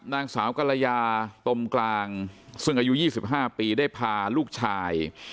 นางสาวกรรยาตรงกลางซึ่งอายุยี่สิบห้าปีได้พาลูกชาย